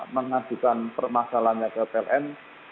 menghasilkan permasalahannya ke pln